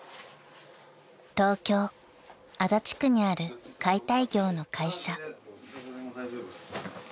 ［東京足立区にある解体業の会社］